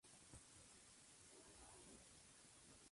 Siempre me ha gustado hacer reír o sonreír o pensar", dice.